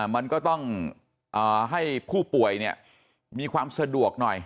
มันก็ต้องให้ผู้ป่วยมีความสะดวกหน่อย